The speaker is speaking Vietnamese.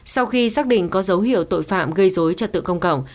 sau khi xác định có dấu hiệu tội phạm gây dối trật tự công cộng